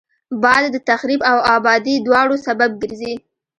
باد د تخریب او آبادي دواړو سبب ګرځي